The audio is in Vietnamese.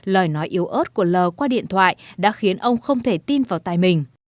lời nói yếu ớt của l qua điện thoại đã khiến ông không thể tin vào tài mình